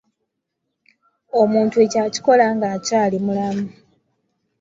Omuntu ekyo akikola ng'akyali mulamu.